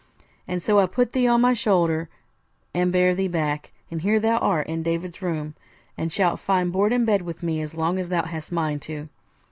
And so I put thee on my shoulder and bare thee back, and here thou art in David's room, and shalt find board and bed with me as long as thou hast mind to.'